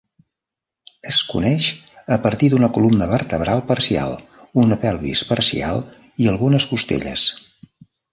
Es coneix a partir d'una columna vertebral parcial, una pelvis parcial i algunes costelles.